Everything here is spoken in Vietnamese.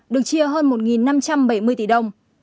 được chia hơn một năm trăm bảy mươi tỷ đồng